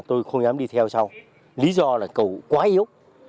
tôi không dám đi theo sau lý do là cầu quá yếu